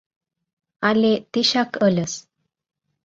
Але тичак ыльыс...